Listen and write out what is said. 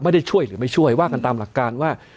ไม่ได้ช่วยหรือไม่ช่วยการว่ากันตามหลักการว่า